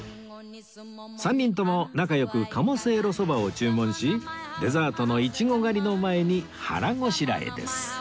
３人とも仲良く鴨せいろそばを注文しデザートのイチゴ狩りの前に腹ごしらえです